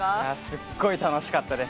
すごい楽しかったです。